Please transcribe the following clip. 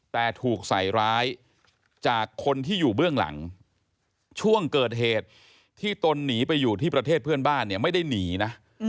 แต่ถูกใส่ร้ายจากคนที่อยู่เบื้องหลังช่วงเกิดเหตุที่ตนหนีไปอยู่ที่ประเทศเพื่อนบ้านเนี่ยไม่ได้หนีนะ